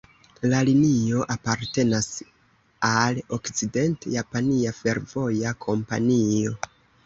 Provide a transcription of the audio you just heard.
La linio apartenas al Okcident-Japania Fervoja Kompanio.